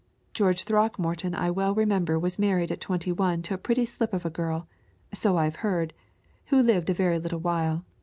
George Throckmorton I well remember was married at twenty one to a pretty slip of a girl, so I've heard, who lived a very little while.